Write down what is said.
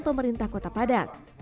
pemerintah kota padang